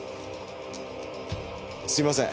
すいません。